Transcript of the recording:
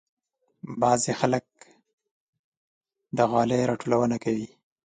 بعضې خلک د غالۍ راټولونه کوي.